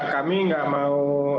kami nggak mau